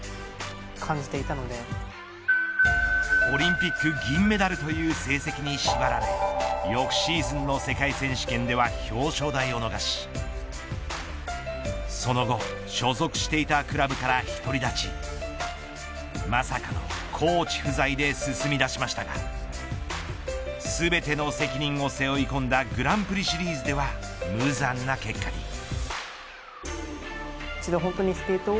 オリンピック銀メダルという成績に縛られ翌シーズンの世界選手権では表彰台を逃しその後、所属していたクラブから独り立ちまさかのコーチ不在で進み出しましたが全ての責任を背負い込んだグランプリシリーズでは無残な結果に。